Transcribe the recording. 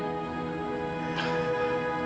yang bisa membuatnya terjadi